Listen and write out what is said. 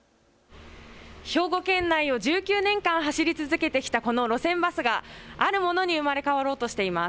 兵庫県内を１９年間走り続けてきたこの路線バスが、あるものに生まれ変わろうとしています。